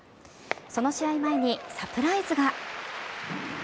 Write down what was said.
その試合前にサプライズが。